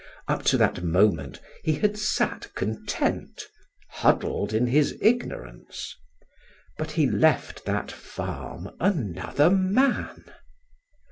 Up to that moment he had sat content, huddled in his ignorance, but he left that farm another man.